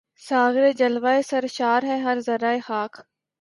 ساغر جلوۂ سرشار ہے ہر ذرۂ خاک